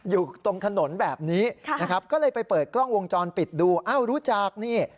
อยู่ตรงถนนแบบนี้นะครับก็เลยไปเปิดกล้องวงจรปิดดูอ้าวรู้จักนี่